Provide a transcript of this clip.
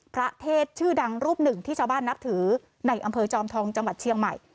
พระเทศชื่อดังรูปหนึ่งที่ชาวบ้านนับถือในอำเภอจอมทองจังหวัดเชียงใหม่